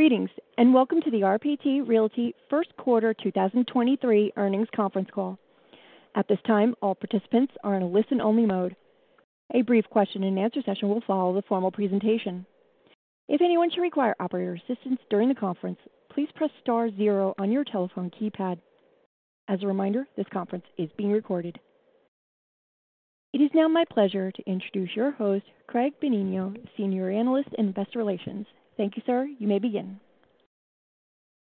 Greetings. Welcome to the RPT Realty First Quarter 2023 earnings conference call. At this time, all participants are in a listen-only mode. A brief question-and-answer session will follow the formal presentation. If anyone should require operator assistance during the conference, please press star 0 on your telephone keypad. As a reminder, this conference is being recorded. It is now my pleasure to introduce your host, Craig Benigno, Senior Analyst in Investor Relations. Thank you, sir. You may begin.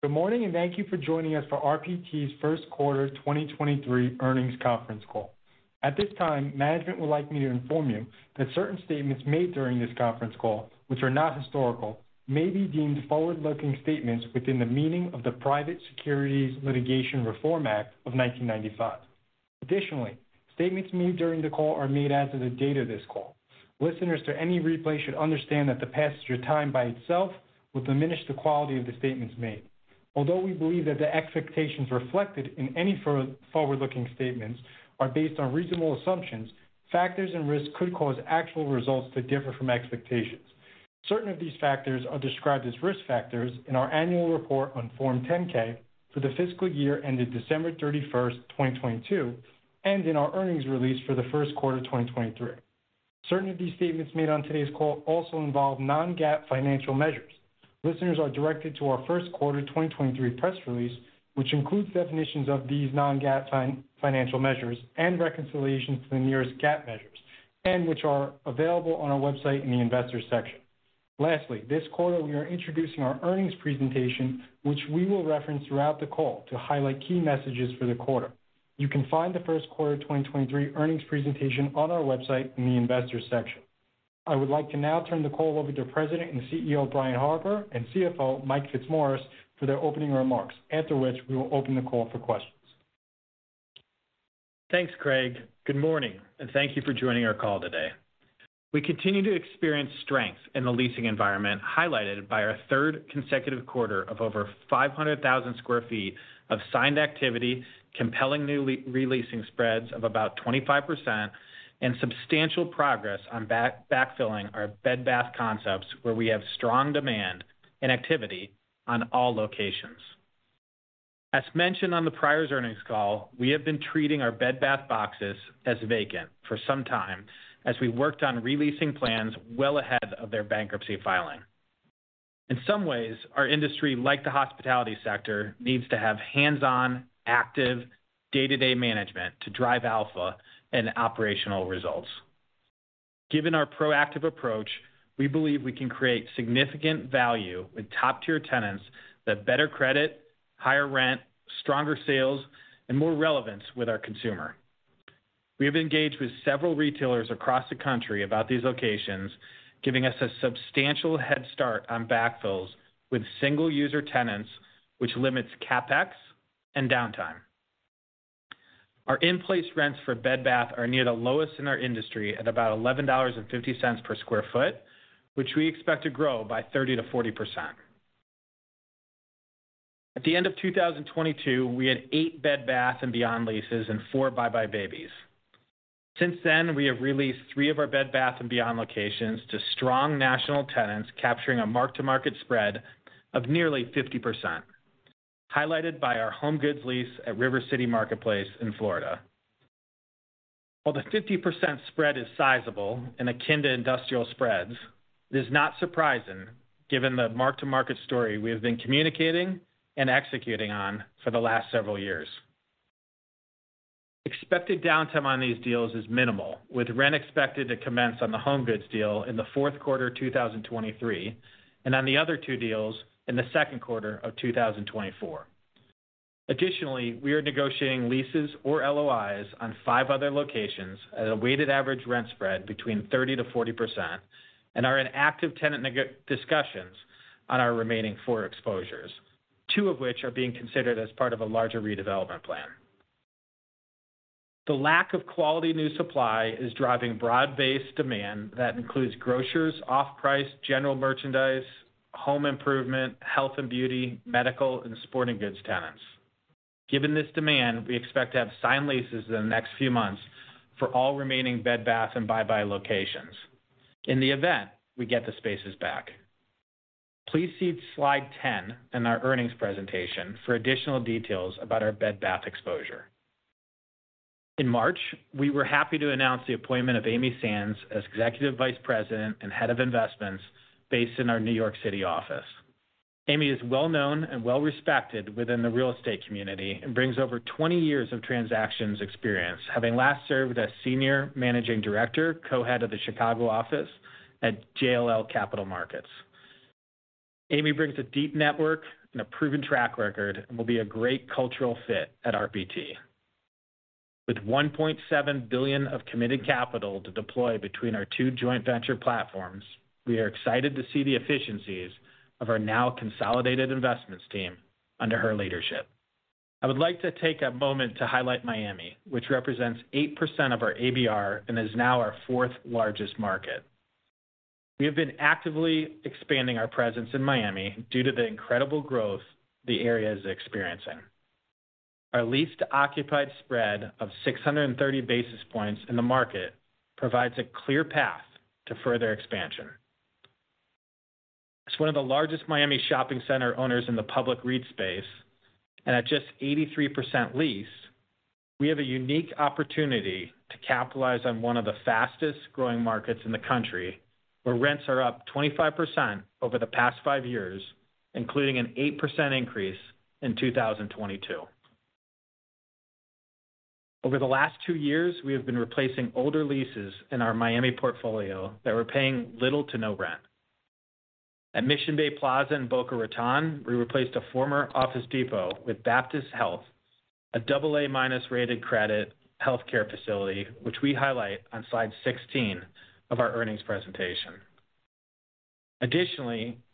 Good morning thank you for joining us for RPT's first quarter 2023 earnings conference call. At this time, management would like me to inform you that certain statements made during this conference call, which are not historical, may be deemed forward-looking statements within the meaning of the Private Securities Litigation Reform Act of 1995. Additionally, statements made during the call are made as of the date of this call. Listeners to any replay should understand that the passage of time by itself will diminish the quality of the statements made. Although we believe that the expectations reflected in any forward-looking statements are based on reasonable assumptions, factors and risks could cause actual results to differ from expectations. Certain of these factors are described as risk factors in our annual report on Form 10-K for the fiscal year ended December 31, 2022, and in our earnings release for the first quarter of 2023. Certain of these statements made on today's call also involve non-GAAP financial measures. Listeners are directed to our first quarter 2023 press release, which includes definitions of these non-GAAP financial measures and reconciliations to the nearest GAAP measures, and which are available on our website in the Investors section. This quarter we are introducing our earnings presentation, which we will reference throughout the call to highlight key messages for the quarter. You can find the first quarter 2023 earnings presentation on our website in the Investors section. I would like to now turn the call over to President and CEO, Brian Harper, and CFO, Mike Fitzmaurice, for their opening remarks. After which, we will open the call for questions. Thanks, Craig. Good morning. Thank you for joining our call today. We continue to experience strength in the leasing environment, highlighted by our third consecutive quarter of over 500,000 sq ft of signed activity, compelling new re-leasing spreads of about 25%, and substantial progress on backfilling our Bed Bath concepts, where we have strong demand and activity on all locations. As mentioned on the prior's earnings call, we have been treating our Bed Bath boxes as vacant for some time as we worked on re-leasing plans well ahead of their bankruptcy filing. In some ways, our industry, like the hospitality sector, needs to have hands-on, active day-to-day management to drive alpha and operational results. Given our proactive approach, we believe we can create significant value with top-tier tenants that better credit, higher rent, stronger sales, and more relevance with our consumer. We have engaged with several retailers across the country about these locations, giving us a substantial headstart on backfills with single user tenants, which limits CapEx and downtime. Our in-place rents for Bed Bath are near the lowest in our industry at about $11.50 per square foot, which we expect to grow by 30%-40%. At the end of 2022, we had eight Bed Bath & Beyond leases and four buybuy BABY. Since then, we have re-leased three of our Bed Bath & Beyond locations to strong national tenants, capturing a mark-to-market spread of nearly 50%, highlighted by our HomeGoods lease at River City Marketplace in Florida. While the 50% spread is sizable and akin to industrial spreads, it is not surprising given the mark-to-market story we have been communicating and executing on for the last several years. Expected downtime on these deals is minimal, with rent expected to commence on the HomeGoods deal in the fourth quarter 2023, and on the other two deals in the second quarter of 2024. We are negotiating leases or LOIs on five other locations at a weighted average rent spread between 30%-40% and are in active tenant discussions on our remaining four exposures, two of which are being considered as part of a larger redevelopment plan. The lack of quality new supply is driving broad-based demand that includes grocers, off-price, general merchandise, home improvement, health and beauty, medical, and sporting goods tenants. Given this demand, we expect to have signed leases in the next few months for all remaining Bed Bath and buybuy BABY locations. In the event, we get the spaces back. Please see slide 10 in our earnings presentation for additional details about our Bed Bath exposure. In March, we were happy to announce the appointment of Amy Sands as Executive Vice President and Head of Investments based in our New York City office. Amy is well-known and well-respected within the real estate community and brings over 20 years of transactions experience, having last served as Senior Managing Director, Co-Head of the Chicago office at JLL Capital Markets. Amy brings a deep network and a proven track record and will be a great cultural fit at RPT. With $1.7 billion of committed capital to deploy between our 2 joint venture platforms, we are excited to see the efficiencies of our now consolidated investments team under her leadership. I would like to take a moment to highlight Miami, which represents 8% of our ABR and is now our fourth largest market. We have been actively expanding our presence in Miami due to the incredible growth the area is experiencing. Our leased occupied spread of 630 basis points in the market provides a clear path to further expansion. As one of the largest Miami shopping center owners in the public REIT space, and at just 83% lease, we have a unique opportunity to capitalize on one of the fastest-growing markets in the country, where rents are up 25% over the past 5 years, including an 8% increase in 2022. Over the last 2 years, we have been replacing older leases in our Miami portfolio that were paying little to no rent. At Mission Bay Plaza in Boca Raton, we replaced a former Office Depot with Baptist Health, a double A-minus rated credit healthcare facility, which we highlight on slide 16 of our earnings presentation.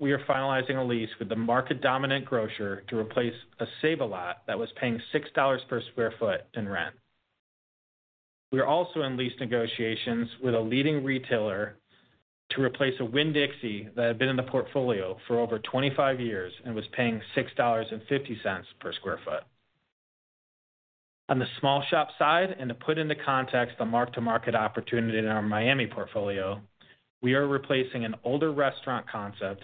We are finalizing a lease with the market dominant grocer to replace a Save-A-Lot that was paying $6 per sq ft in rent. We are also in lease negotiations with a leading retailer to replace a Winn-Dixie that had been in the portfolio for over 25 years and was paying $6.50 per sq ft. On the small shop side, and to put into context the mark-to-market opportunity in our Miami portfolio, we are replacing an older restaurant concept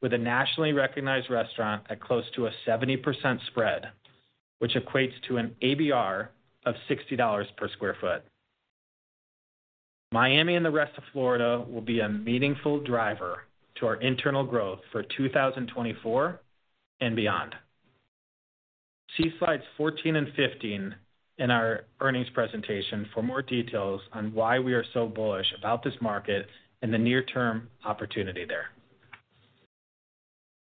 with a nationally recognized restaurant at close to a 70% spread, which equates to an ABR of $60 per sq ft. Miami and the rest of Florida will be a meaningful driver to our internal growth for 2024 and beyond. See slides 14 and 15 in our earnings presentation for more details on why we are so bullish about this market and the near-term opportunity there.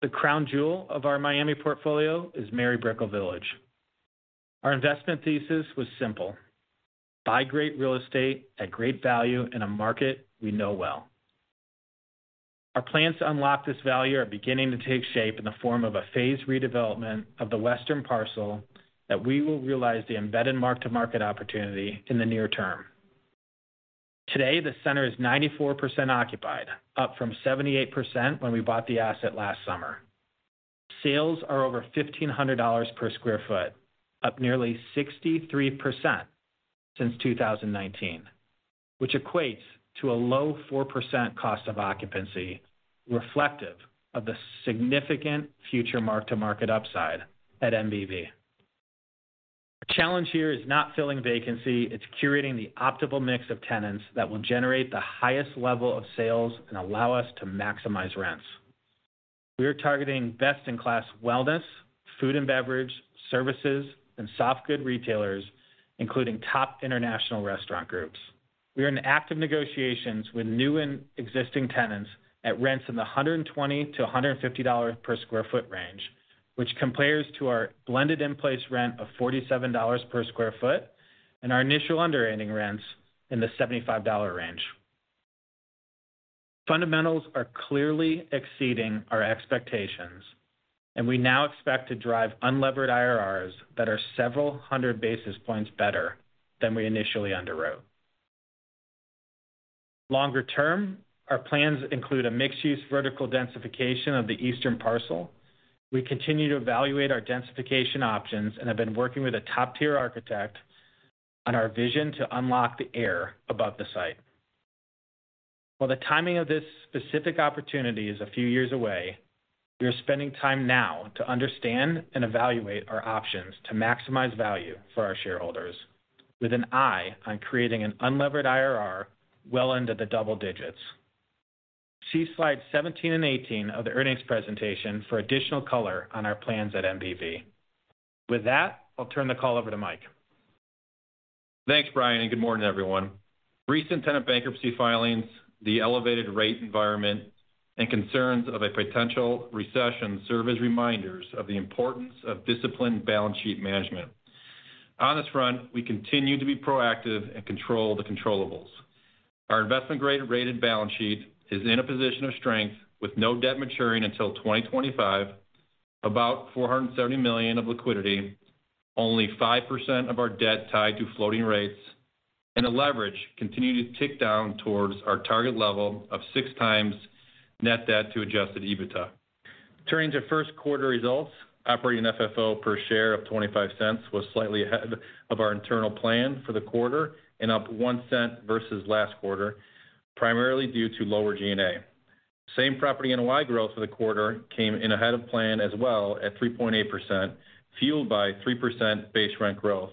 The crown jewel of our Miami portfolio is Mary Brickell Village. Our investment thesis was simple: Buy great real estate at great value in a market we know well. Our plans to unlock this value are beginning to take shape in the form of a phased redevelopment of the western parcel that we will realize the embedded mark-to-market opportunity in the near term. Today, the center is 94% occupied, up from 78% when we bought the asset last summer. Sales are over $1,500 per square foot, up nearly 63% since 2019, which equates to a low 4% cost of occupancy, reflective of the significant future mark-to-market upside at MBV. Our challenge here is not filling vacancy, it's curating the optimal mix of tenants that will generate the highest level of sales and allow us to maximize rents. We are targeting best-in-class wellness, food and beverage, services, and soft good retailers, including top international restaurant groups. We are in active negotiations with new and existing tenants at rents in the $120-$150 per square foot range, which compares to our blended in-place rent of $47 per square foot and our initial underwriting rents in the $75 range. Fundamentals are clearly exceeding our expectations, and we now expect to drive unlevered IRRs that are several hundred basis points better than we initially underwrote. Longer term, our plans include a mixed-use vertical densification of the eastern parcel. We continue to evaluate our densification options and have been working with a top-tier architect on our vision to unlock the air above the site. While the timing of this specific opportunity is a few years away, we are spending time now to understand and evaluate our options to maximize value for our shareholders with an eye on creating an unlevered IRR well into the double digits. See slide 17 and 18 of the earnings presentation for additional color on our plans at MBV. With that, I'll turn the call over to Mike. Thanks, Brian. Good morning, everyone. Recent tenant bankruptcy filings, the elevated rate environment, and concerns of a potential recession serve as reminders of the importance of disciplined balance sheet management. On this front, we continue to be proactive and control the controllables. Our investment-grade rated balance sheet is in a position of strength with no debt maturing until 2025, about $470 million of liquidity. Only 5% of our debt tied to floating rates and a leverage continue to tick down towards our target level of 6x net debt to adjusted EBITDA. Turning to first quarter results, operating FFO per share of $0.25 was slightly ahead of our internal plan for the quarter and up $0.01 versus last quarter, primarily due to lower G&A. Same-property NOI growth for the quarter came in ahead of plan as well at 3.8%, fueled by 3% base rent growth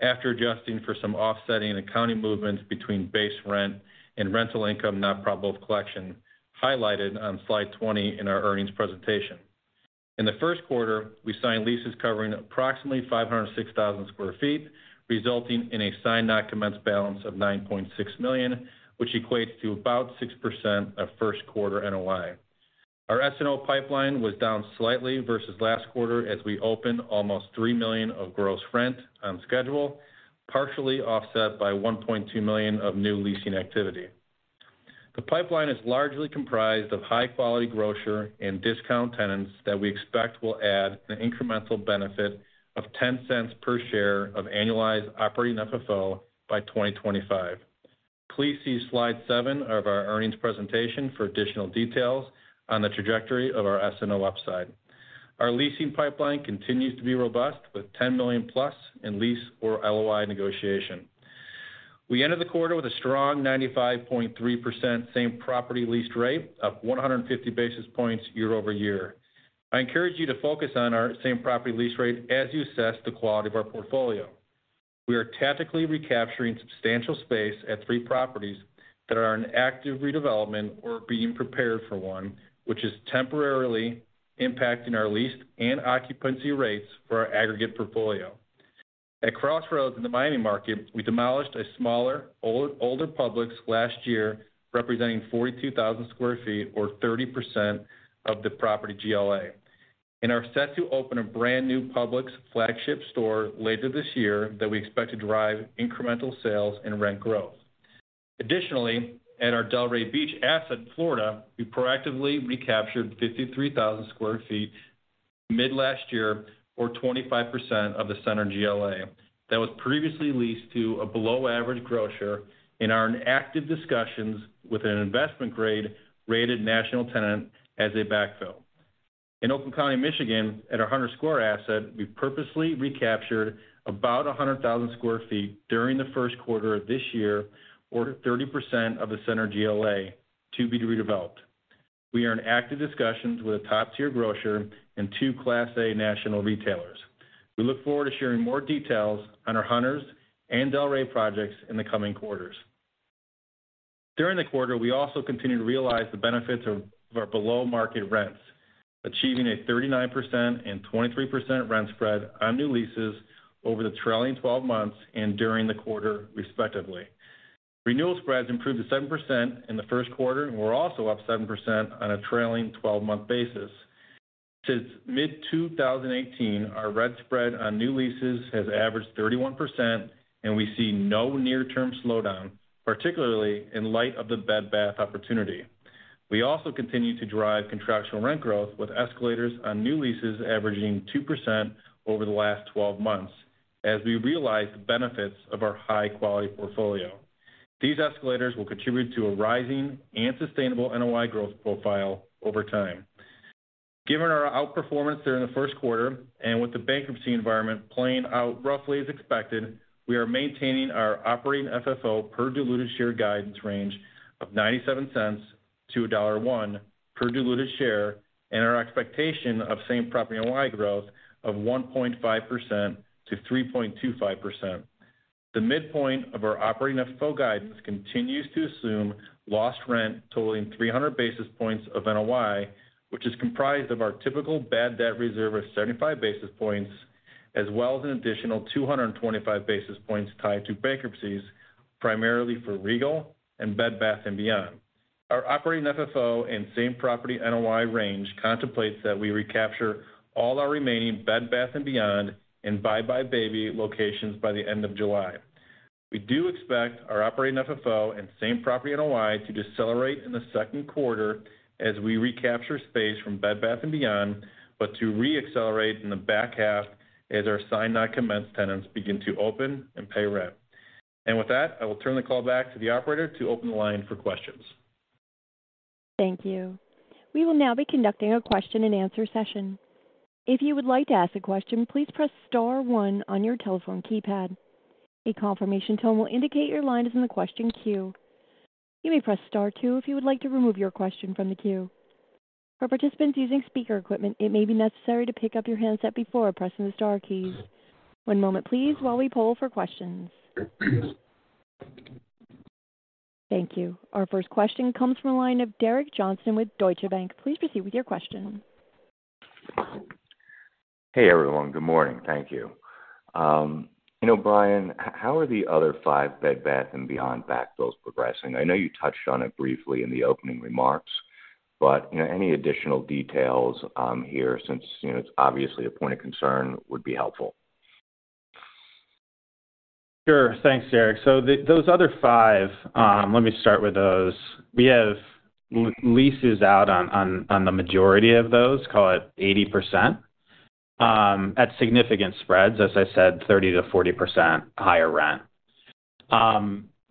after adjusting for some offsetting accounting movements between base rent and rental income not probable of collection, highlighted on slide 20 in our earnings presentation. The first quarter, we signed leases covering approximately 506,000 sq ft, resulting in a signed not commenced balance of $9.6 million, which equates to about 6% of first quarter NOI. Our SNO pipeline was down slightly versus last quarter as we opened almost $3 million of gross rent on schedule, partially offset by $1.2 million of new leasing activity. The pipeline is largely comprised of high-quality grocer and discount tenants that we expect will add an incremental benefit of $0.10 per share of annualized operating FFO by 2025. Please see slide 7 of our earnings presentation for additional details on the trajectory of our SNO upside. Our leasing pipeline continues to be robust with 10 million-plus in lease or LOI negotiation. We entered the quarter with a strong 95.3% same property leased rate, up 150 basis points year-over-year. I encourage you to focus on our same property lease rate as you assess the quality of our portfolio. We are tactically recapturing substantial space at 3 properties that are in active redevelopment or being prepared for one, which is temporarily impacting our leased and occupancy rates for our aggregate portfolio. At Crossroads in the Miami market, we demolished a smaller, older Publix last year, representing 42,000 sq ft or 30% of the property GLA, and are set to open a brand new Publix flagship store later this year that we expect to drive incremental sales and rent growth. Additionally, at our Delray Beach asset in Florida, we proactively recaptured 53,000 sq ft mid last year or 25% of the center GLA that was previously leased to a below-average grocer and are in active discussions with an investment grade rated national tenant as a backfill. In Oakland County, Michigan, at our Hunters Square asset, we purposely recaptured about 100,000 sq ft during the first quarter of this year or 30% of the center GLA to be redeveloped. We are in active discussions with a top-tier grocer and two class A national retailers. We look forward to sharing more details on our Hunters and Delray projects in the coming quarters. During the quarter, we also continued to realize the benefits of our below-market rents, achieving a 39% and 23% rent spread on new leases over the trailing 12 months and during the quarter respectively. Renewal spreads improved to 7% in the first quarter and were also up 7% on a trailing 12-month basis. Since mid-2018, our rent spread on new leases has averaged 31%. We see no near-term slowdown, particularly in light of the Bed Bath opportunity. We also continue to drive contractual rent growth with escalators on new leases averaging 2% over the last 12 months as we realize the benefits of our high-quality portfolio. These escalators will contribute to a rising and sustainable NOI growth profile over time. Given our outperformance during the first quarter and with the bankruptcy environment playing out roughly as expected, we are maintaining our operating FFO per diluted share guidance range of $0.97-$1.01 per diluted share and our expectation of same property NOI growth of 1.5%-3.25%. The midpoint of our operating FFO guidance continues to assume lost rent totaling 300 basis points of NOI, which is comprised of our typical bad debt reserve of 75 basis points, as well as an additional 225 basis points tied to bankruptcies, primarily for Regal and Bed Bath & Beyond. Our operating FFO and same property NOI range contemplates that we recapture all our remaining Bed Bath & Beyond and buybuy BABY locations by the end of July. We do expect our operating FFO and same property NOI to decelerate in the second quarter as we recapture space from Bed Bath & Beyond, but to re-accelerate in the back half as our signed non-commenced tenants begin to open and pay rent. With that, I will turn the call back to the operator to open the line for questions. Thank you. We will now be conducting a question-and-answer session. If you would like to ask a question, please press star one on your telephone keypad. A confirmation tone will indicate your line is in the question queue. You may press star two if you would like to remove your question from the queue. For participants using speaker equipment, it may be necessary to pick up your handset before pressing the star keys. One moment please while we poll for questions. Thank you. Our first question comes from the line of Derek Johnston with Deutsche Bank. Please proceed with your question. Hey everyone. Good morning. Thank you. you know, Brian, how are the other 5 Bed Bath & Beyond backfills progressing? I know you touched on it briefly in the opening remarks, you know, any additional details here since, you know, it's obviously a point of concern would be helpful. Sure. Thanks, Derek. Those other five, let me start with those. We have leases out on the majority of those, call it 80%, at significant spreads, as I said, 30%-40% higher rent.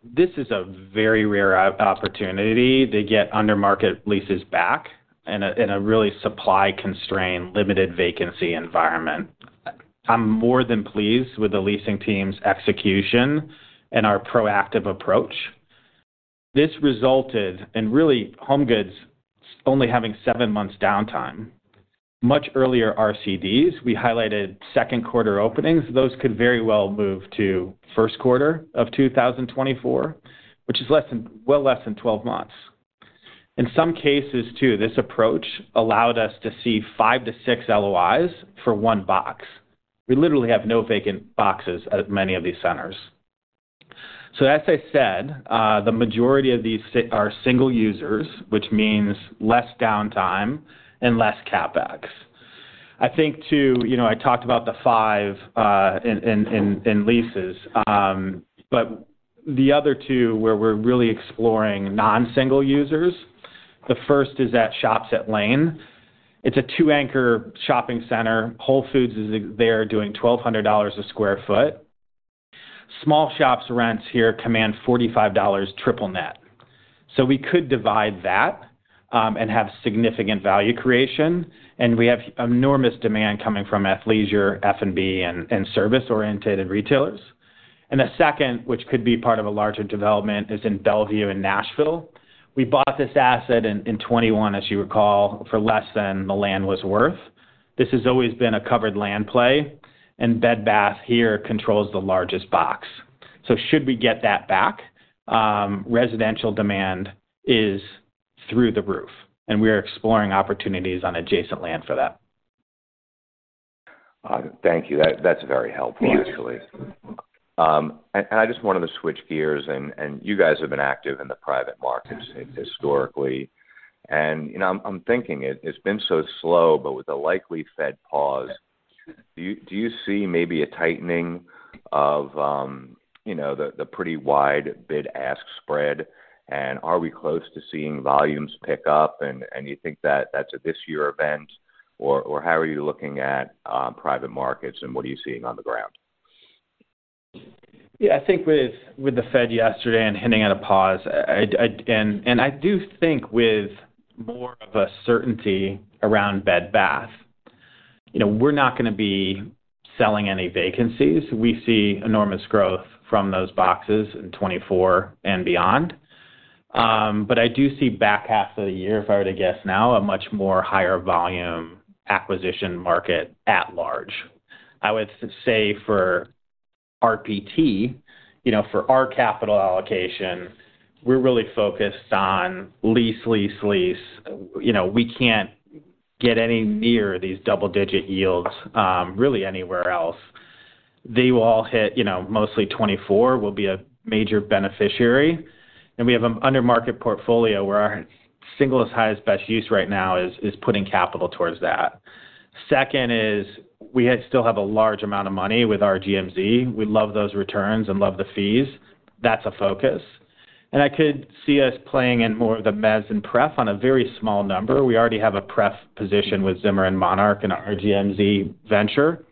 This is a very rare opportunity to get under-market leases back in a really supply-constrained, limited vacancy environment. I'm more than pleased with the leasing team's execution and our proactive approach. This resulted in really HomeGoods only having seven months downtime. Much earlier RCDs, we highlighted second quarter openings. Those could very well move to first quarter of 2024, which is less than, well less than 12 months. In some cases too, this approach allowed us to see five to six LOIs for one box. We literally have no vacant boxes at many of these centers. As I said, the majority of these are single users, which means less downtime and less CapEx. I think too, you know, I talked about the 5 in leases. The other 2 where we're really exploring non-single users The first is at Shops at Lane. It's a 2 anchor shopping center. Whole Foods is there doing $1,200 a square foot. Small shops rents here command $45 triple net. We could divide that and have significant value creation. We have enormous demand coming from athleisure, F&B and service-orientated retailers. The second, which could be part of a larger development, is in Bellevue in Nashville. We bought this asset in 2021, as you recall, for less than the land was worth. This has always been a covered land play, and Bed Bath here controls the largest box. Should we get that back, residential demand is through the roof, and we are exploring opportunities on adjacent land for that. Thank you. That's very helpful, actually. I just wanted to switch gears and you guys have been active in the private markets historically. You know, I'm thinking it's been so slow, but with a likely Fed pause, do you see maybe a tightening of, you know, the pretty wide bid-ask spread? Are we close to seeing volumes pick up and you think that that's a this year event? How are you looking at private markets and what are you seeing on the ground? Yeah. I think with the Fed yesterday and hinting at a pause, and I do think with more of a certainty around Bed Bath, you know, we're not gonna be selling any vacancies. We see enormous growth from those boxes in 2024 and beyond. I do see back half of the year, if I were to guess now, a much more higher volume acquisition market at large. I would say for RPT, you know, for our capital allocation, we're really focused on lease, lease. You know, we can't get any near these double-digit yields, really anywhere else. They will all hit, you know, mostly 2024 will be a major beneficiary. We have an under market portfolio where our single highest best use right now is putting capital towards that. Second is we still have a large amount of money with our RGMZ. We love those returns and love the fees. That's a focus. I could see us playing in more of the mezz and pref on a very small number. We already have a pref position with Zimmer and Monarch in our RGMZ venture.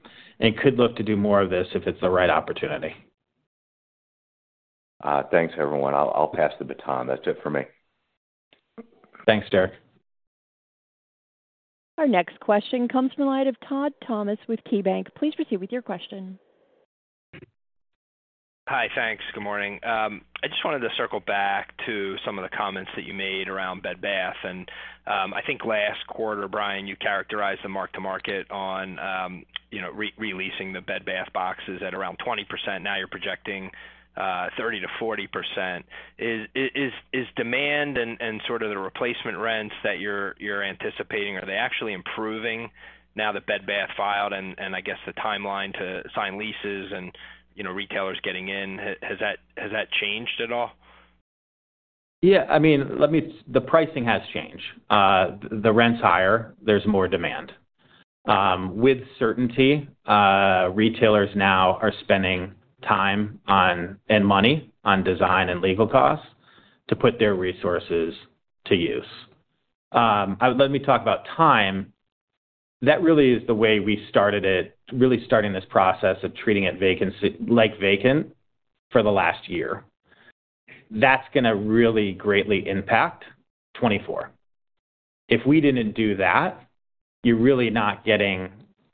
Could look to do more of this if it's the right opportunity. Thanks everyone. I'll pass the baton. That's it for me. Thanks, Derek. Our next question comes from the line of Todd Thomas with KeyBank. Please proceed with your question. Hi. Thanks. Good morning. I just wanted to circle back to some of the comments that you made around Bed Bath. I think last quarter, Brian, you characterized the mark to market on, you know, re-releasing the Bed Bath boxes at around 20%. Now you're projecting 30% to 40%. Is demand and sort of the replacement rents that you're anticipating, are they actually improving now that Bed Bath filed and I guess the timeline to sign leases and, you know, retailers getting in, has that changed at all? Yeah. I mean, let me... The pricing has changed. The rent's higher. There's more demand. With certainty, retailers now are spending time on, and money on design and legal costs to put their resources to use. Let me talk about time. That really is the way we started it, really starting this process of treating it like vacant for the last year. That's gonna really greatly impact 2024. If we didn't do that, you're really not getting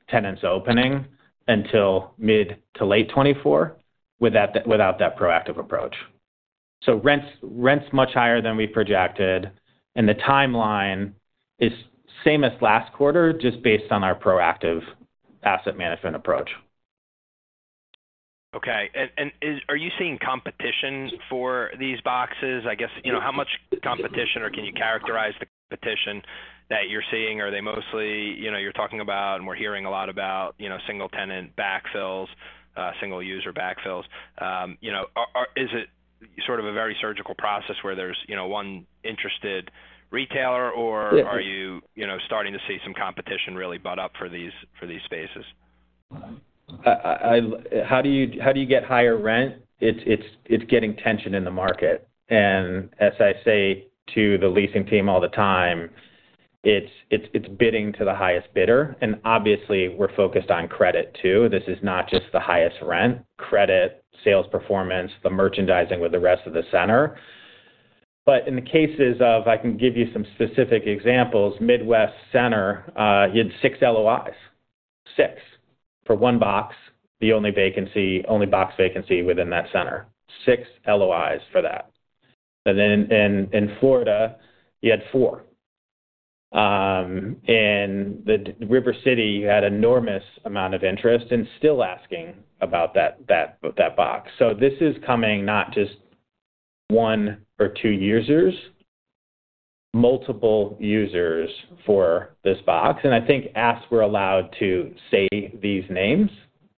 tenants opening until mid to late 2024 without that, without that proactive approach. Rent's much higher than we projected, and the timeline is same as last quarter, just based on our proactive asset management approach. Okay. Are you seeing competition for these boxes? I guess, you know, how much competition or can you characterize the competition that you're seeing? Are they mostly, you know, you're talking about and we're hearing a lot about, you know, single tenant backfills, single user backfills. You know, is it sort of a very surgical process where there's, you know, one interested retailer. Yes. Are you know, starting to see some competition really butt up for these, for these spaces? How do you get higher rent? It's getting tension in the market. As I say to the leasing team all the time, it's bidding to the highest bidder, and obviously we're focused on credit too. This is not just the highest rent. Credit, sales performance, the merchandising with the rest of the center. In the cases of, I can give you some specific examples, Midwest Center, you had 6 LOIs. 6 for 1 box, the only vacancy, only box vacancy within that center. 6 LOIs for that. Then in Florida, you had 4. In the River City, you had enormous amount of interest and still asking about that box. This is coming not just 1 or 2 users, multiple users for this box. I think as we're allowed to say these names,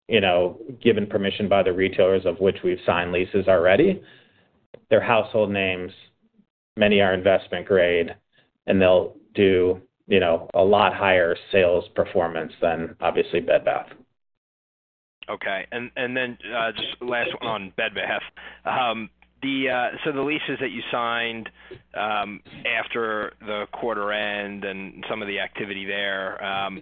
you know, given permission by the retailers of which we've signed leases already, they're household names, many are investment grade, and they'll do, you know, a lot higher sales performance than obviously Bed Bath. Okay. Then, just last one on Bed Bath. The leases that you signed, after the quarter end and some of the activity there,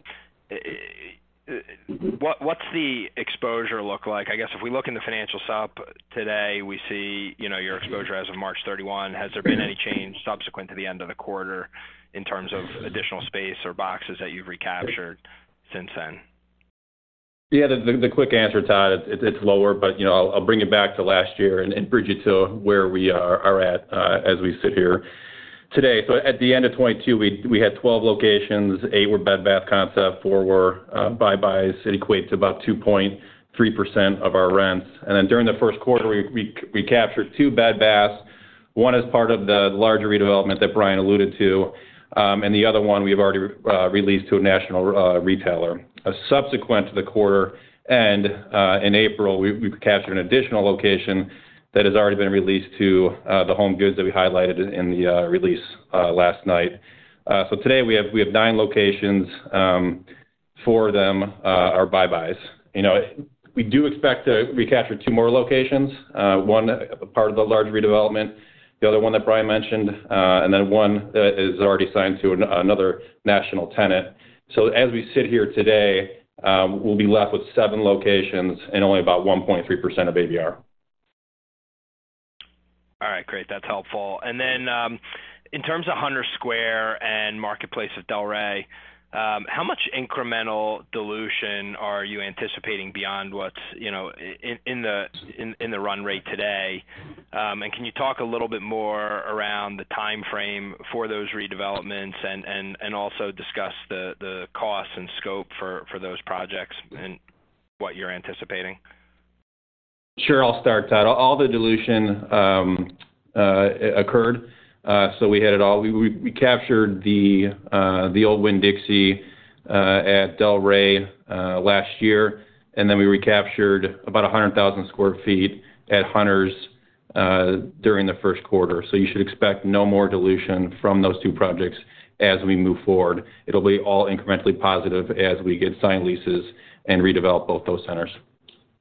what's the exposure look like? I guess if we look in the financial sup today, we see, you know, your exposure as of March 31. Has there been any change subsequent to the end of the quarter in terms of additional space or boxes that you've recaptured since then? The quick answer, Todd, it's lower. You know, I'll bring it back to last year and bridge it to where we are at as we sit here today. At the end of 2022, we had 12 locations, 8 were Bed Bath concept, 4 were buybuy BABY. It equates about 2.3% of our rents. During the first quarter we captured 2 Bed Baths, one as part of the larger redevelopment that Brian alluded to. The other one we've already released to a national retailer. Subsequent to the quarter end in April, we've captured an additional location that has already been released to the HomeGoods that we highlighted in the release last night. Today we have 9 locations. Four of them are Buy Buys. You know, we do expect to recapture two more locations. One part of the large redevelopment, the other one that Brian mentioned, and then one is already signed to another national tenant. As we sit here today, we'll be left with seven locations and only about 1.3% of ABR. All right, great. That's helpful. In terms of Hunters Square and Marketplace at Delray, how much incremental dilution are you anticipating beyond what's in the run rate today? Can you talk a little bit more around the timeframe for those redevelopments and also discuss the costs and scope for those projects and what you're anticipating? Sure. I'll start, Todd. All the dilution occurred, so we had it all. We captured the old Winn-Dixie at Delray last year, and then we recaptured about 100,000 sq ft at Hunters during the first quarter. You should expect no more dilution from those two projects as we move forward. It'll be all incrementally positive as we get signed leases and redevelop both those centers.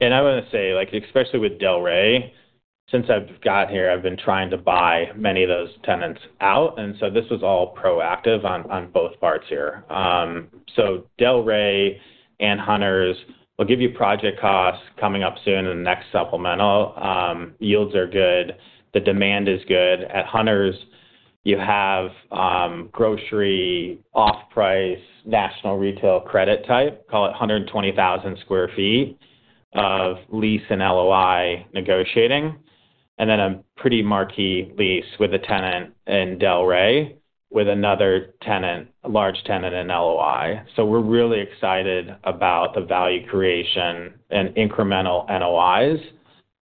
I want to say, like especially with Delray, since I've got here, I've been trying to buy many of those tenants out, and so this was all proactive on both parts here. Delray and Hunters will give you project costs coming up soon in the next supplemental. Yields are good. The demand is good. At Hunters, you have grocery, off price, national retail credit type, call it 120,000 sq ft of lease and LOI negotiating, and then a pretty marquee lease with a tenant in Delray with another tenant, a large tenant in LOI. We're really excited about the value creation and incremental LOIs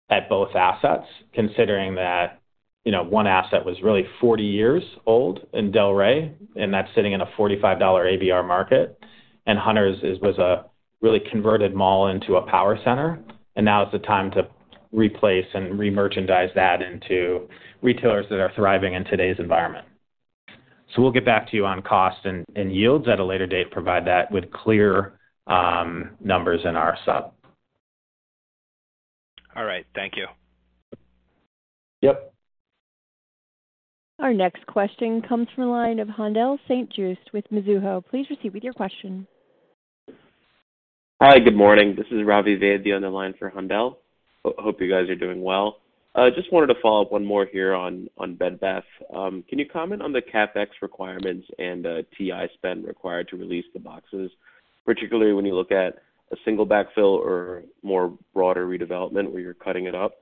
at both assets, considering that, you know, one asset was really 40 years old in Delray, and that's sitting in a $45 ABR market. Hunters was a really converted mall into a power center, and now is the time to replace and remerchandise that into retailers that are thriving in today's environment. We'll get back to you on cost and yields at a later date, provide that with clear numbers in our sub. All right. Thank you. Yep. Our next question comes from the line of Haendel St. Juste with Mizuho. Please proceed with your question. Hi, good morning. This is Ravi Vaidya on the line for Haendel. hope you guys are doing well. Just wanted to follow up one more here on Bed Bath. Can you comment on the CapEx requirements and the TI spend required to release the boxes, particularly when you look at a single backfill or more broader redevelopment where you're cutting it up?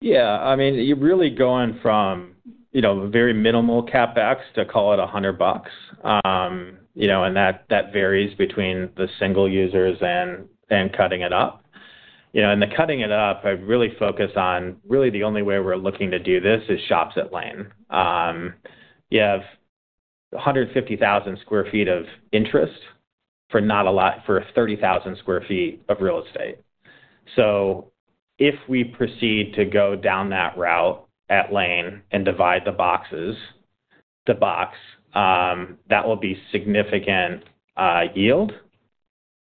Yeah. I mean, you're really going from, you know, very minimal CapEx to call it $100. You know, and that varies between the single users and cutting it up. You know, in the cutting it up, I really focus on really the only way we're looking to do this is shops at Lane. You have 150,000 sq ft of interest for not a lot for 30,000 sq ft of real estate. If we proceed to go down that route at Lane and divide the boxes, the box, that will be significant yield.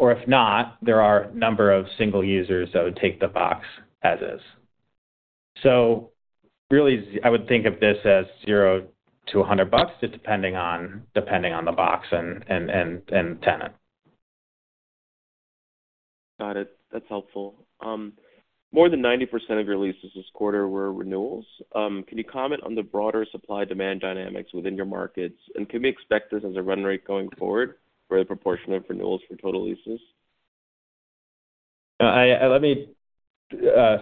Or if not, there are a number of single users that would take the box as is. Really, I would think of this as $0 to $100, just depending on the box and tenant. Got it. That's helpful. More than 90% of your leases this quarter were renewals. Can you comment on the broader supply demand dynamics within your markets? Can we expect this as a run rate going forward for the proportion of renewals for total leases?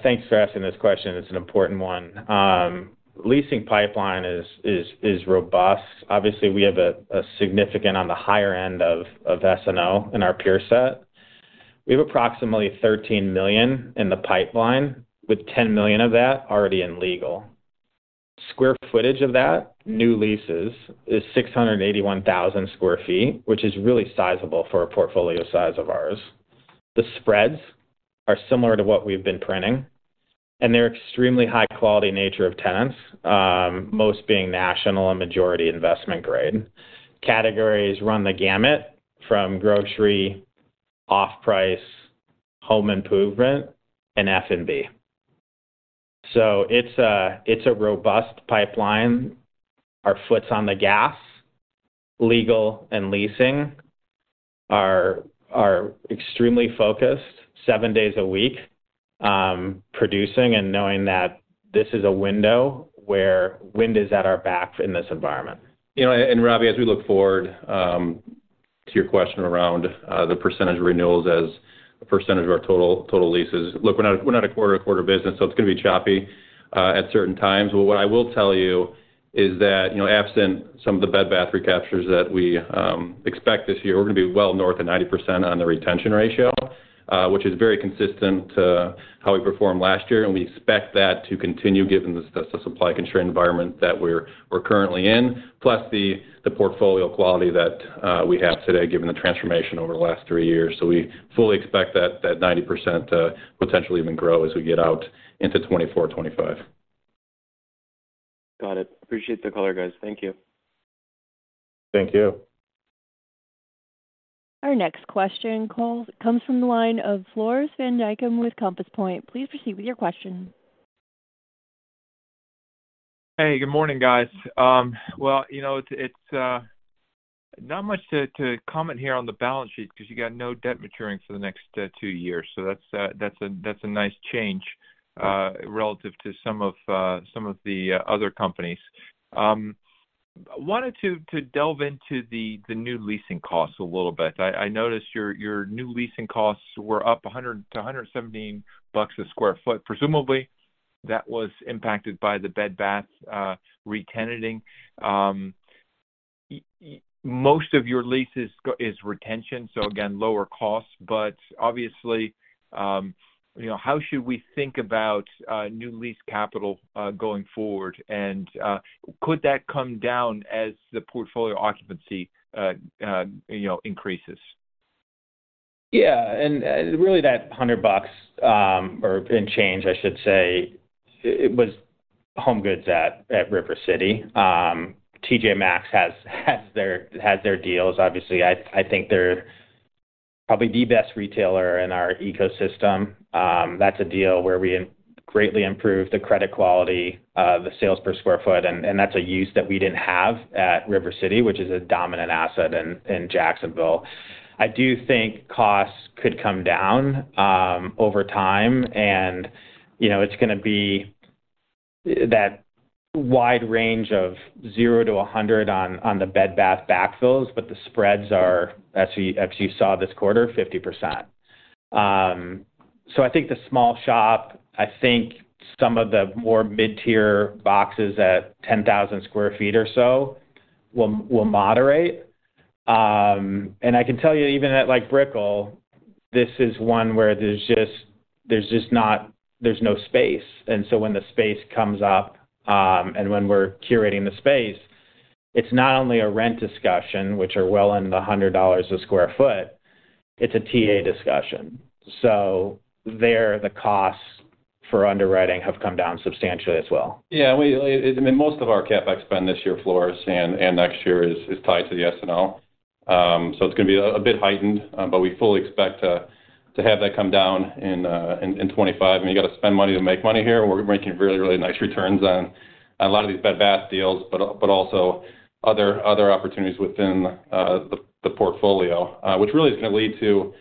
Thanks for asking this question. It's an important one. Leasing pipeline is robust. Obviously, we have a significant on the higher end of SNO in our peer set. We have approximately $13 million in the pipeline with $10 million of that already in legal. Square footage of that new leases is 681,000 sq ft, which is really sizable for a portfolio size of ours. The spreads are similar to what we've been printing. They're extremely high-quality nature of tenants, most being national and majority investment grade. Categories run the gamut from grocery, off-price, home improvement, and F&B. It's a robust pipeline. Our foot's on the gas. Legal and leasing are extremely focused, seven days a week, producing and knowing that this is a window where wind is at our back in this environment. You know, Robbie, as we look forward to your question around the percentage of renewals as a percentage of our total leases. Look, we're not a quarter-to-quarter business, so it's gonna be choppy at certain times. What I will tell you is that, you know, absent some of the Bed Bath recaptures that we expect this year, we're gonna be well north of 90% on the retention ratio, which is very consistent to how we performed last year. We expect that to continue given the supply-constrained environment that we're currently in, plus the portfolio quality that we have today, given the transformation over the last 3 years. We fully expect that 90%, potentially even grow as we get out into 2024, 2025. Got it. Appreciate the color, guys. Thank you. Thank you. Our next question comes from the line of Floris van Dijkum with Compass Point. Please proceed with your question. Hey, good morning, guys. Well, you know, it's not much to comment here on the balance sheet because you got no debt maturing for the next 2 years. That's a nice change relative to some of the other companies. Wanted to delve into the new leasing costs a little bit. I noticed your new leasing costs were up $100-$117 a sq ft. Presumably, that was impacted by the Bed Bath retenanting. Most of your leases is retention, so again, lower cost. Obviously, you know, how should we think about new lease capital going forward? Could that come down as the portfolio occupancy, you know, increases? Yeah. Really that $100 bucks, or change, I should say, it was HomeGoods at River City. TJ Maxx has their deals, obviously. I think they're probably the best retailer in our ecosystem. That's a deal where we greatly improve the credit quality of the sales per square foot, and that's a use that we didn't have at River City, which is a dominant asset in Jacksonville. I do think costs could come down over time, you know, it's gonna be that wide range of 0 to 100 on the Bed Bath backfills, the spreads are, as you saw this quarter, 50%. I think the small shop, I think some of the more mid-tier boxes at 10,000 square feet or so will moderate. I can tell you even at, like Brickell, this is one where there's just no space. When the space comes up, and when we're curating the space, it's not only a rent discussion, which are well in the $100 a sq ft, it's a TA discussion. There, the costs for underwriting have come down substantially as well. Yeah. I mean, most of our CapEx spend this year, Floris, and next year is tied to the S&L. It's gonna be a bit heightened, but we fully expect to have that come down in 2025. I mean, you got to spend money to make money here. We're making really, really nice returns on a lot of these Bed Bath deals, but also other opportunities within the portfolio. Which really is gonna lead to,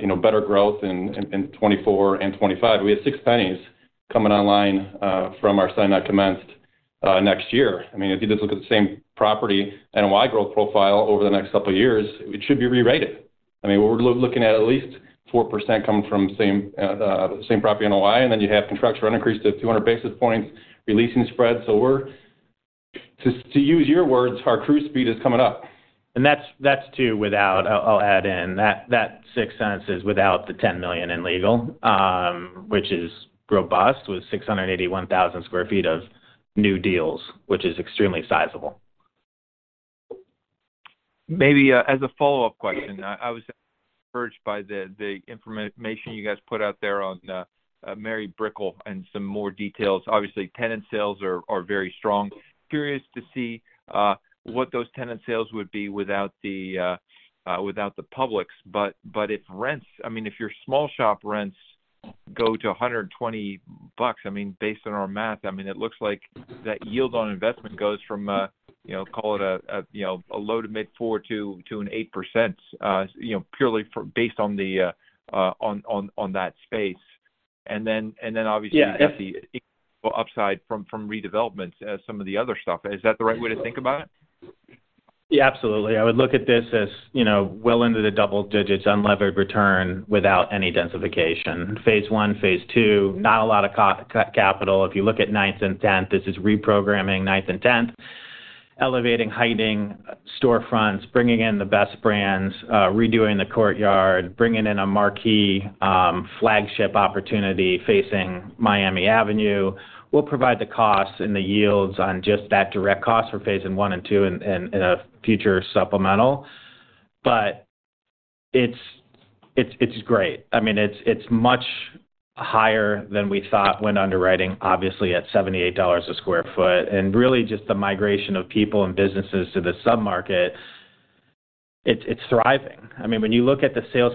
you know, better growth in 2024 and 2025. We have 6 JCPenney coming online from our sign that commenced next year. I mean, if you just look at the same property and NOI growth profile over the next couple of years, it should be rerated. I mean, we're looking at least 4% coming from same property NOI, and then you have contracts rent increase to 200 basis points, re-leasing spreads. We're... To use your words, our cruise speed is coming up. That's too, without I'll add in. That six sentence is without the $10 million in legal, which is robust, with 681,000 sq ft of new deals, which is extremely sizable. Maybe as a follow-up question, I was encouraged by the information you guys put out there on Mary Brickell and some more details. Obviously, tenant sales are very strong. Curious to see what those tenant sales would be without the Publix. I mean, if your small shop rents go to $120, I mean, based on our math, I mean, it looks like that yield on investment goes from, you know, call it a, you know, a low to mid 4% to an 8%, you know, purely based on that space. Yeah. you have the upside from redevelopments as some of the other stuff. Is that the right way to think about it? Yeah, absolutely. I would look at this as, you know, well into the double digits unlevered return without any densification. Phase I, phase II, not a lot of capital. If you look at ninth and tenth, this is reprogramming ninth and tenth, elevating, heightening storefronts, bringing in the best brands, redoing the courtyard, bringing in a marquee, flagship opportunity facing Miami Avenue. We'll provide the costs and the yields on just that direct cost for phase I and II in a future supplemental. It's great. I mean, it's much higher than we thought when underwriting obviously at $78 a square foot. Really just the migration of people and businesses to the submarket, it's thriving. I mean, when you look at the sales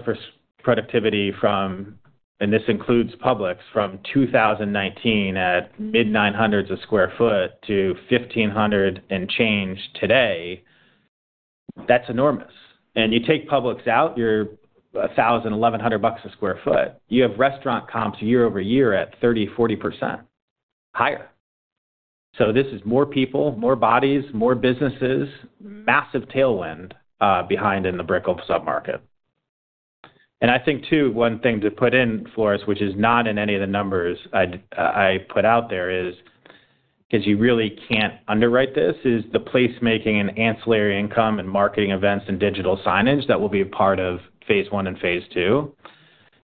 productivity from, and this includes Publix, from 2019 at mid $900s a sq ft to $1,500 and change today, that's enormous. You take Publix out, you're $1,000, $1,100 a sq ft. You have restaurant comps year-over-year at 30%, 40% higher. This is more people, more bodies, more businesses, massive tailwind behind in the Brickell submarket. I think too, one thing to put in for us, which is not in any of the numbers I put out there is, 'cause you really can't underwrite this, is the placemaking and ancillary income and marketing events and digital signage that will be a part of phase I and phase II.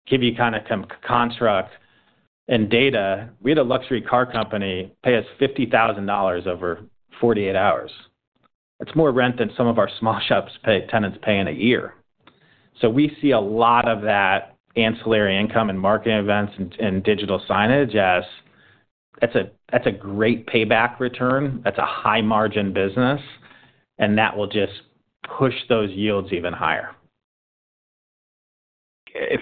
Give you kind of some construct and data. We had a luxury car company pay us $50,000 over 48 hours. It's more rent than some of our small shops tenants pay in a year. We see a lot of that ancillary income and marketing events and digital signage as that's a great payback return, that's a high margin business, and that will just push those yields even higher. Yeah.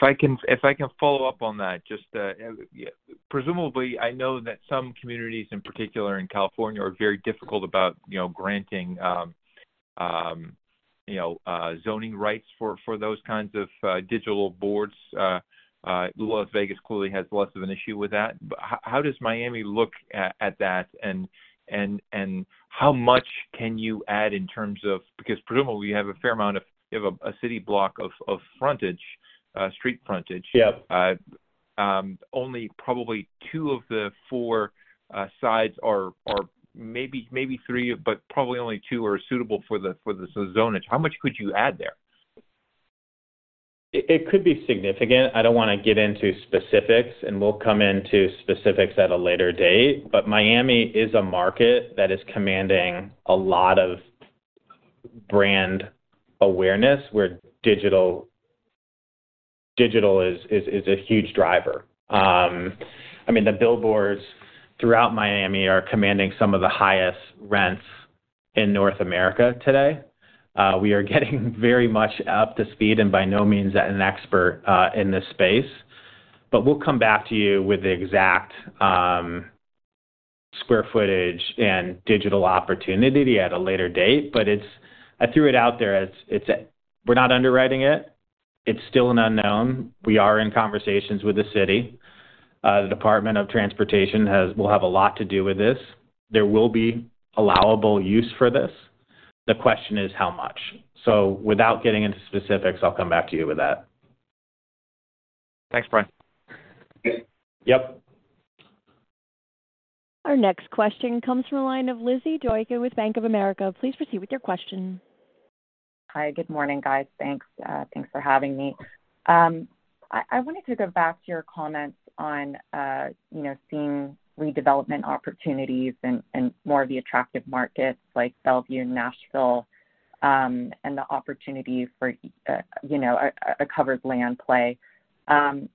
Only probably two of the four sides are maybe three, but probably only two are suitable for the zonage. How much could you add there? It could be significant. I don't wanna get into specifics. We'll come into specifics at a later date. Miami is a market that is commanding a lot of brand awareness where digital is a huge driver. I mean, the billboards throughout Miami are commanding some of the highest rents in North America today. We are getting very much up to speed and by no means an expert in this space, but we'll come back to you with the exact square footage and digital opportunity at a later date. I threw it out there as it's a... We're not underwriting it. It's still an unknown. We are in conversations with the city. The Department of Transportation will have a lot to do with this. There will be allowable use for this. The question is how much. Without getting into specifics, I'll come back to you with that. Thanks, Brian. Yep. Our next question comes from the line of Lizzy Doykan with Bank of America. Please proceed with your question. Hi, good morning, guys. Thanks, thanks for having me. I wanted to go back to your comments on, you know, seeing redevelopment opportunities in more of the attractive markets like Bellevue and Nashville, and the opportunities for, you know, a covered land play. How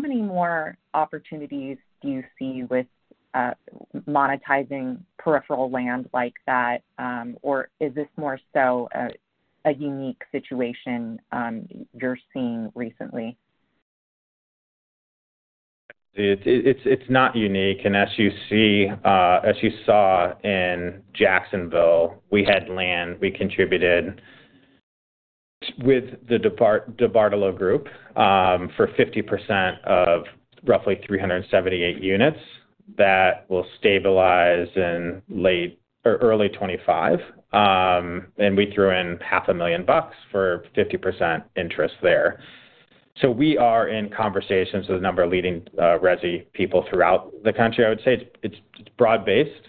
many more opportunities do you see with, monetizing peripheral land like that? Or is this more so a unique situation, you're seeing recently? It's not unique. As you see, as you saw in Jacksonville, we had land we contributed with the DeBartolo Group, for 50% of roughly 378 units that will stabilize in late or early 2025. And we threw in half a million bucks for 50% interest there. We are in conversations with a number of leading, resi people throughout the country. I would say it's broad-based.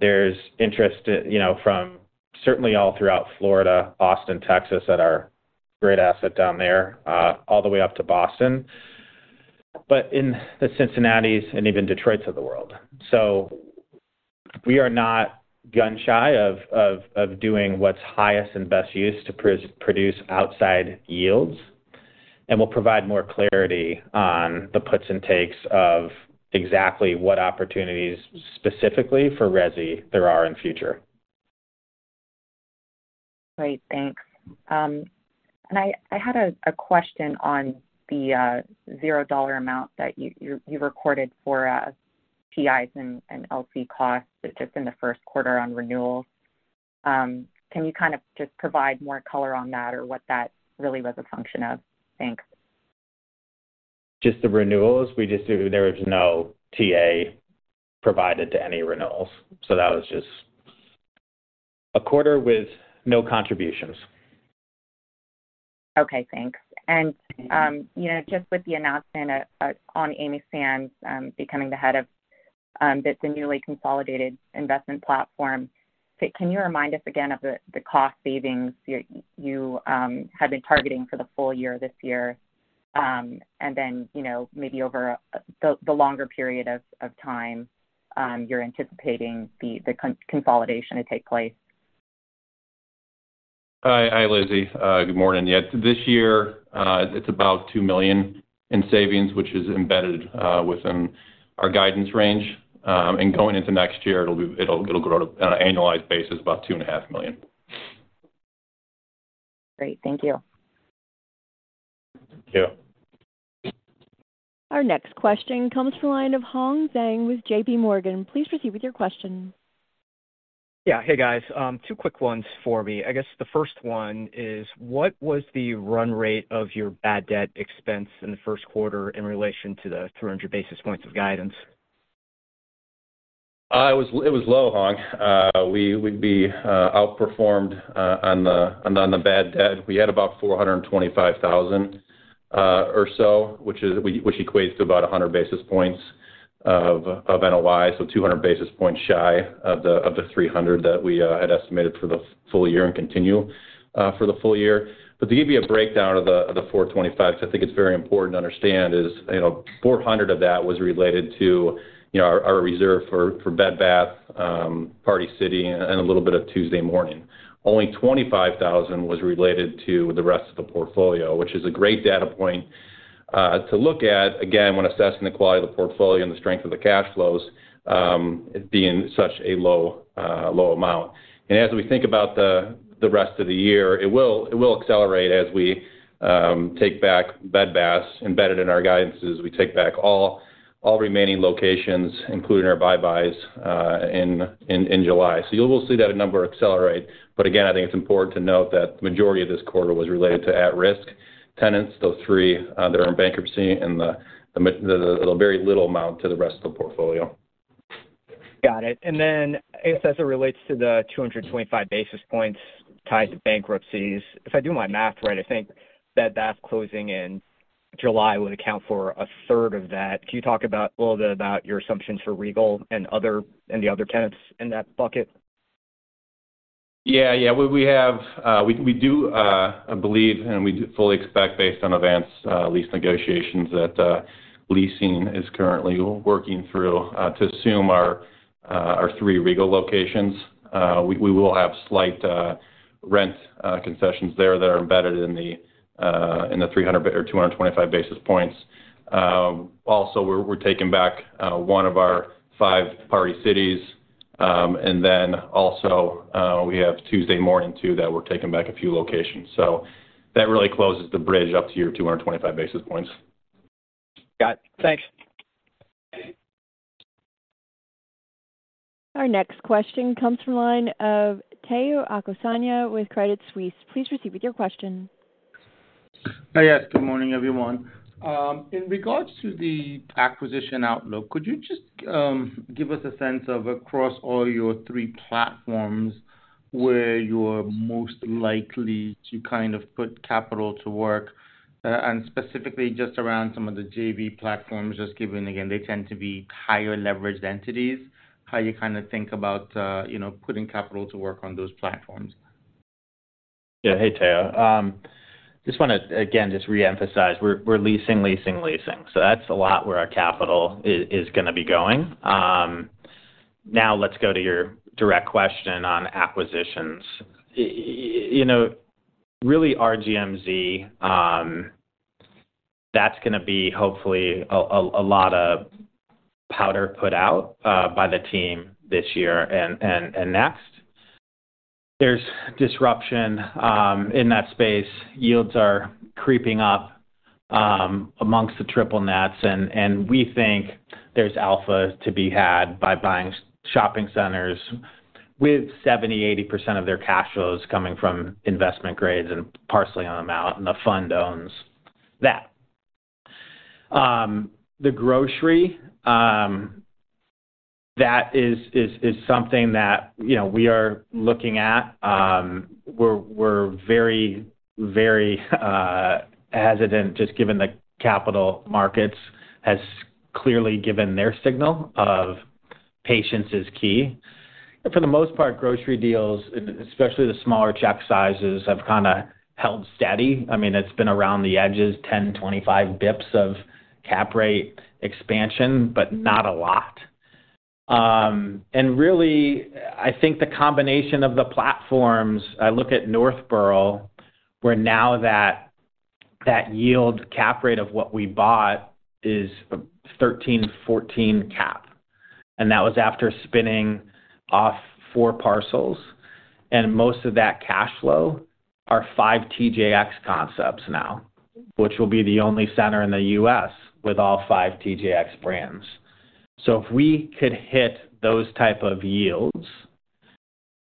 There's interest, you know, from certainly all throughout Florida, Austin, Texas, at our great asset down there, all the way up to Boston. In the Cincinnati's and even Detroit's of the world. We are not gun-shy of doing what's highest and best use to produce outside yields, and we'll provide more clarity on the puts and takes of exactly what opportunities specifically for resi there are in future. Great. Thanks. I had a question on the $0 amount that you recorded for TIs and LC costs just in the first quarter on renewals. Can you kind of just provide more color on that or what that really was a function of? Thanks. Just the renewals, there was no TA provided to any renewals, so that was just a quarter with no contributions. Okay, thanks. You know, just with the announcement on Amy Sands becoming the head of the newly consolidated investment platform, can you remind us again of the cost savings you had been targeting for the full year this year? You know, maybe over the longer period of time, you're anticipating the consolidation to take place. Hi, Lizzy. good morning. Yeah, this year, it's about $2 million in savings, which is embedded within our guidance range. Going into next year, it'll grow at an annualized basis, about $2 and a half million. Great. Thank you. Thank you. Our next question comes from the line of Hong Zhang with JPMorgan. Please proceed with your question. Yeah. Hey, guys. Two quick ones for me. I guess the first one is, what was the run rate of your bad debt expense in the first quarter in relation to the 300 basis points of guidance? It was low, Hong. We'd be outperformed on the bad debt. We had about $425,000 or so, which equates to about 100 basis points of NOI. Two hundred basis points shy of the 300 that we had estimated for the full year and continue for the full year. To give you a breakdown of the 425, because I think it's very important to understand is, you know, $400,000 of that was related to, you know, our reserve for Bed Bath, Party City, and a little bit of Tuesday Morning. Only $25,000 was related to the rest of the portfolio, which is a great data point to look at again when assessing the quality of the portfolio and the strength of the cash flows, it being such a low amount. As we think about the rest of the year, it will accelerate as we take back Bed Bath embedded in our guidances. We take back all remaining locations, including our Buy Buys in July. You will see that number accelerate. Again, I think it's important to note that the majority of this quarter was related to at-risk tenants, those three that are in bankruptcy and the very little amount to the rest of the portfolio. I guess as it relates to the 225 basis points tied to bankruptcies, if I do my math right, I think Bed Bath closing in July would account for a third of that. Can you talk about, a little bit about your assumptions for Regal and other, and the other tenants in that bucket? Yeah. Yeah. We do believe, we fully expect based on events, lease negotiations that leasing is currently working through to assume our 3 Regal locations. We will have slight rent concessions there that are embedded in the 300 or 225 basis points. Also, we're taking back 1 of our 5 Party Cities. Also, we have Tuesday Morning too, that we're taking back a few locations. That really closes the bridge up to your 225 basis points. Got it. Thanks. Our next question comes from line of Tayo Okusanya with Credit Suisse. Please proceed with your question. Good morning, everyone. In regards to the acquisition outlook, could you just give us a sense of across all your 3 platforms where you're most likely to kind of put capital to work, and specifically just around some of the JV platforms, just given, again, they tend to be higher leveraged entities, how you kind of think about, you know, putting capital to work on those platforms? Hey, Tayo. Just wanna again, just reemphasize, we're leasing, leasing. That's a lot where our capital is gonna be going. Let's go to your direct question on acquisitions. You know, really our RGMZ, that's gonna be hopefully a lot of powder put out by the team this year and next. There's disruption in that space. Yields are creeping up amongst the triple nets, and we think there's alpha to be had by buying shopping centers with 70%, 80% of their cash flows coming from investment grades and parceling them out, and the fund owns that. The grocery, that is something that, you know, we are looking at. We're very, very hesitant just given the capital markets has clearly given their signal of patience is key. For the most part, grocery deals, especially the smaller check sizes, have kinda held steady. I mean, it's been around the edges, 10-25 basis points of cap rate expansion, but not a lot. Really, I think the combination of the platforms, I look at Northborough, where now that that yield cap rate of what we bought is 13-14 cap. That was after spinning off four parcels. Most of that cash flow are five TJX concepts now, which will be the only center in the US with all five TJX brands. If we could hit those type of yields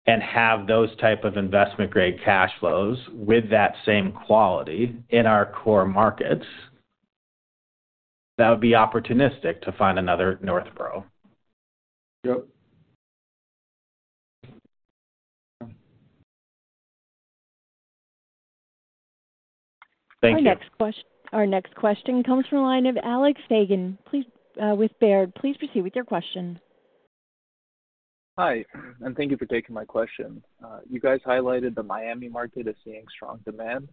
and have those type of investment-grade cash flows with that same quality in our core markets, that would be opportunistic to find another Northborough. Yep. Thank you. Our next question comes from the line of Alec Feygin. With Baird. Please proceed with your question. Hi, thank you for taking my question. You guys highlighted the Miami market as seeing strong demand.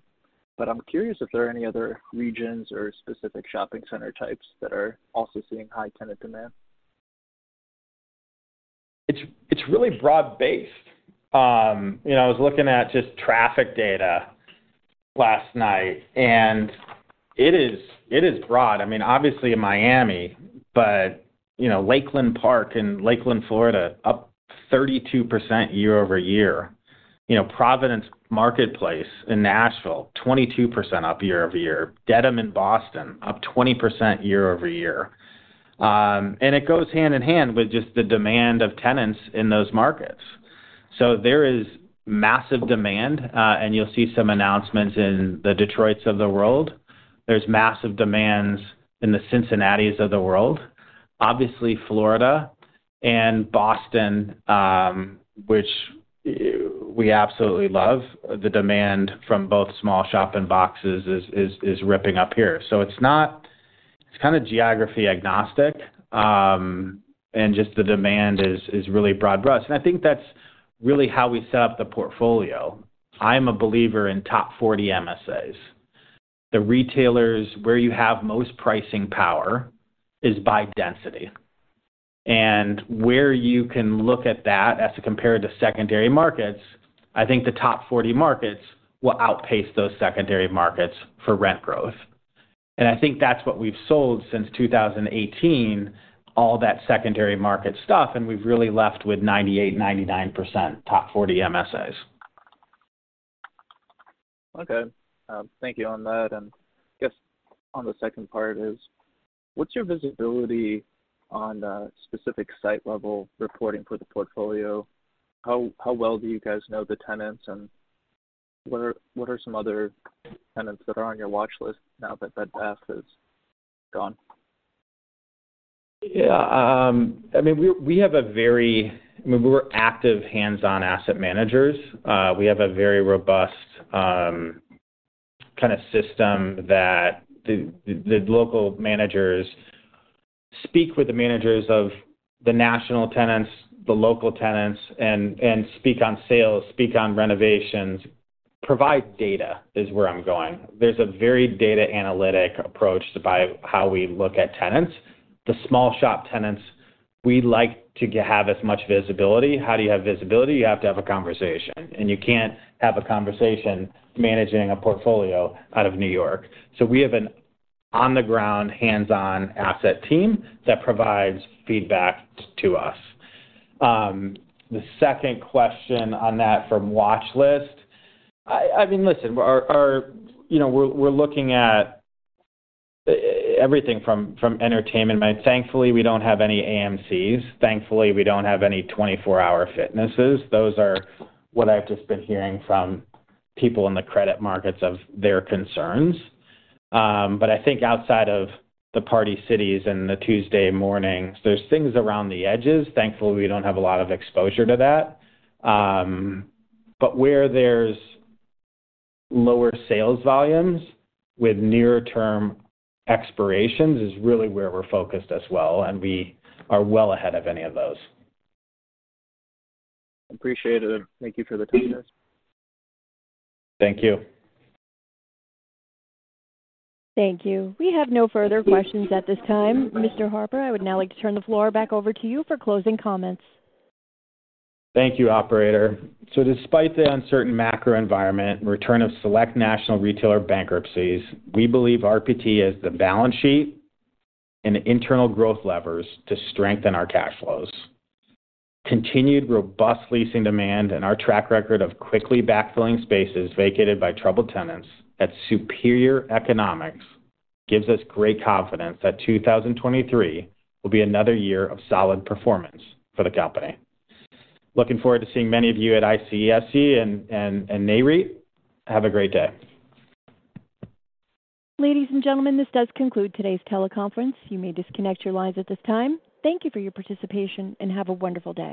I'm curious if there are any other regions or specific shopping center types that are also seeing high tenant demand? It's really broad-based. You know, I was looking at just traffic data last night, and it is broad. I mean, obviously in Miami, but, you know, Lakeland Park in Lakeland, Florida, up 32% year-over-year. You know, Providence Marketplace in Nashville, 22% up year-over-year. Dedham in Boston, up 20% year-over-year. It goes hand in hand with just the demand of tenants in those markets. There is massive demand, and you'll see some announcements in the Detroits of the world. There's massive demands in the Cincinnatis of the world. Obviously, Florida and Boston, which we absolutely love. The demand from both small shop and boxes is ripping up here. It's kind of geography agnostic, and just the demand is really broad brush. I think that's really how we set up the portfolio. I'm a believer in top 40 MSAs. The retailers where you have most pricing power is by density. Where you can look at that as to compare to secondary markets, I think the top 40 markets will outpace those secondary markets for rent growth. I think that's what we've sold since 2018, all that secondary market stuff, and we've really left with 98%, 99% top 40 MSAs. Okay. Thank you on that. I guess on the second part is, what's your visibility on specific site level reporting for the portfolio? How well do you guys know the tenants, and what are some other tenants that are on your watchlist now that Bed Bath is gone? Yeah. I mean, we're active hands-on asset managers. We have a very robust kind of system that the local managers speak with the managers of the national tenants, the local tenants, and speak on sales, speak on renovations. Provide data is where I'm going. There's a very data analytic approach by how we look at tenants. The small shop tenants, we like to have as much visibility. How do you have visibility? You have to have a conversation, and you can't have a conversation managing a portfolio out of New York. We have an on the ground, hands-on asset team that provides feedback to us. The second question on that from watchlist. I mean, listen, You know, we're looking at everything from entertainment. Thankfully, we don't have any AMCs. Thankfully, we don't have any 24 Hour Fitnesses. Those are what I've just been hearing from people in the credit markets of their concerns. I think outside of the Party Cities and the Tuesday Mornings, there's things around the edges. Thankfully, we don't have a lot of exposure to that. Where there's lower sales volumes with near term expirations is really where we're focused as well, and we are well ahead of any of those. Appreciate it, thank you for the time guys. Thank you. Thank you. We have no further questions at this time. Mr. Harper, I would now like to turn the floor back over to you for closing comments. Thank you, operator. Despite the uncertain macro environment and return of select national retailer bankruptcies, we believe RPT is the balance sheet and the internal growth levers to strengthen our cash flows. Continued robust leasing demand and our track record of quickly backfilling spaces vacated by troubled tenants at superior economics gives us great confidence that 2023 will be another year of solid performance for the company. Looking forward to seeing many of you at ICSC and NA REIT. Have a great day. Ladies and gentlemen, this does conclude today's teleconference. You may disconnect your lines at this time. Thank you for your participation, and have a wonderful day.